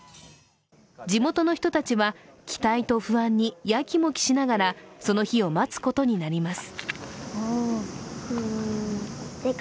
地元の人たちは期待と不安にやきもきしながらその日を待つことになります。